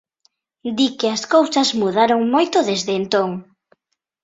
Di que as cousas mudaron moito desde entón.